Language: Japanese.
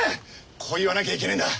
こう言わなきゃいけねえんだ。